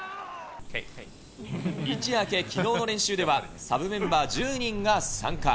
一夜明け、きのうの練習ではサブメンバー１０人が参加。